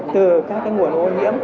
từ các nguồn ô nhiễm